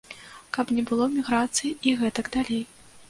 Каб не было міграцыі і гэтак далей.